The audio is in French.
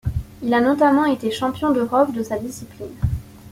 Il a notamment été Champion d'Europe de sa discipline.